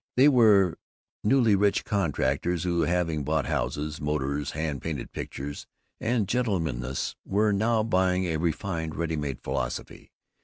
They were newly rich contractors who, having bought houses, motors, hand painted pictures, and gentlemanliness, were now buying a refined ready made philosophy.